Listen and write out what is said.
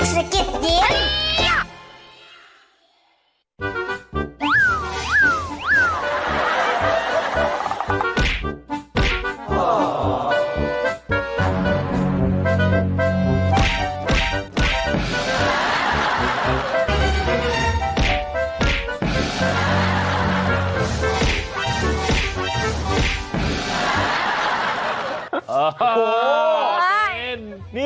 สกิดยิม